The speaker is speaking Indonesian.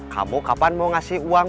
kamu kapan mau ngasih uang